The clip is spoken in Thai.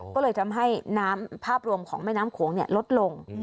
ก็เลยทำให้น้ำภาพรวมของแม่น้ำโขงลดลง